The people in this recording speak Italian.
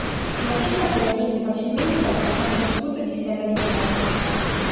La cima si raggiunge facilmente dal versante sud di Sella di Corno.